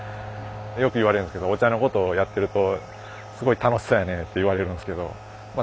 よく言われるんですけどお茶のことをやってるとすごい楽しそうやねって言われるんですけどまあ